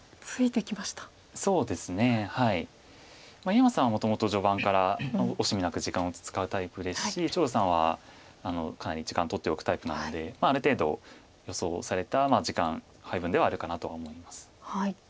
井山さんはもともと序盤から惜しみなく時間を使うタイプですし張栩さんはかなり時間を取っておくタイプなのでまあある程度予想された時間配分ではあるかなとは思います。